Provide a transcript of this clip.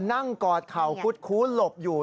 นั่งกอดเข่าคุดหลบอยู่